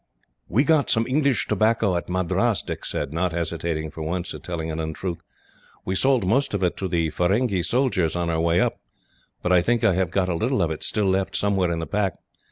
"We got some English tobacco at Madras," Dick said, not hesitating for once at telling an untruth. "We sold most of it to the Feringhee soldiers, on our way up, but I think I have got a little of it still left somewhere in the pack.